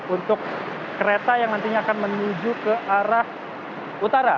untuk kereta yang nantinya akan menuju ke arah utara